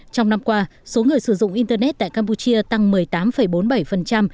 trong năm qua số người sử dụng internet tại campuchia tăng một mươi tám bốn mươi bảy